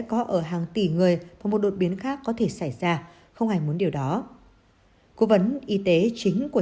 có ở hàng tỷ người và một đột biến khác có thể xảy ra không ai muốn điều đó cố vấn y tế chính của